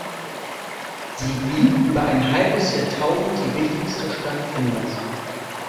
Sie blieb über ein halbes Jahrtausend die wichtigste Stadt Finnlands.